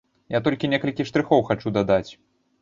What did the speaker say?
Я толькі некалькі штрыхоў хачу даць.